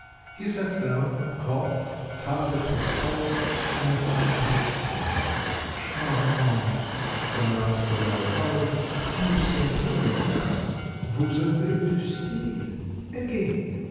He sat down, coughed, tugged at his collar, and sang his song. "Charmant," pronounced Varvara Pavlovna, "you sing very well, vous avez du style, again."